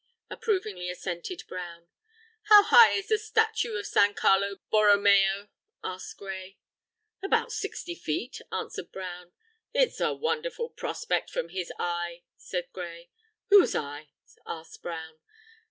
approvingly assented Brown. "How high is the statue of San Carlo Borromeo?" asked Gray. "About sixty feet," answered Brown. "It's a wonderful prospect from his eye," said Gray. "Whose eye?" asked Brown.